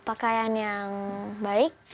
pakaian yang baik